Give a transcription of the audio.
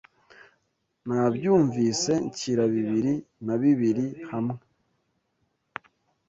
Nabyumvise, nshyira bibiri na bibiri hamwe.